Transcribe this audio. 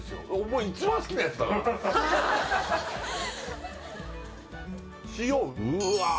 もう一番好きなやつだから塩うわっ